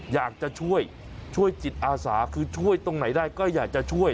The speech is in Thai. อยากจะช่วยช่วยจิตอาสาคือช่วยตรงไหนได้ก็อยากจะช่วย